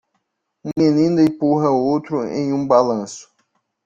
Um menino empurra outro em um balanço.